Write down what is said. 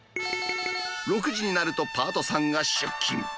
６時になると、パートさんが出勤。